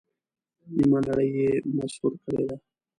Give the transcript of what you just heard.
نیمه نړۍ یې مسحور کړې ده.